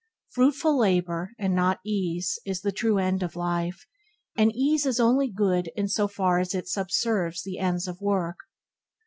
Fruitful labour, and not ease, is the true end of life, and ease is only good in so far as it sub serves the ends of work.